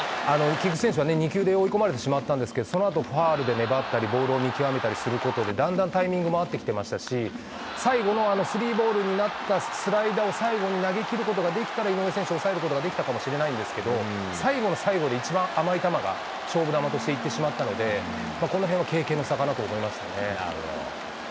菊池選手は２球で追い込まれてしまったんですけど、そのあと、ファウルで粘ったり、ボールを見極めたりすることで、だんだんタイミングも合ってきてましたし、最後のスリーボールになったスライダーを、最後に投げきることができたら井上選手、抑えることができたかもしれないんですけど、最後の最後で一番甘い球が勝負球としていってしまったので、このへんは経験の差かと思いますね。